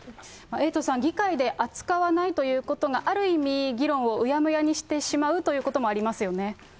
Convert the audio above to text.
エイトさん、議会で扱わないということが、ある意味、議論をうやむやにしてしまうということもありますよね。